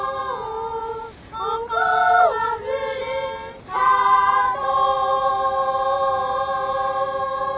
「ここはふるさと」